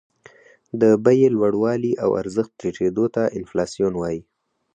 د بیې لوړوالي او ارزښت ټیټېدو ته انفلاسیون وايي